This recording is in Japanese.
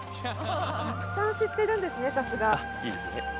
たくさん知ってるんですね。